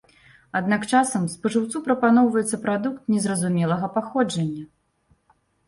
Аднак часам спажыўцу прапаноўваецца прадукт незразумелага паходжання.